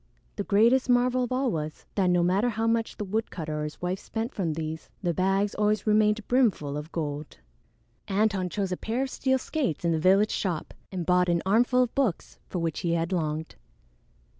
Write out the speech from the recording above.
The greatest marvel of all was, that no matter how much the woodcutter or his wife spent from these, the bags always remained brimful of gold! Antone chose a pair of steel skates in the village shop and bought an armful of books for which he had longed.